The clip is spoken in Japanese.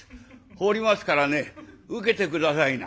放りますからね受けて下さいな」。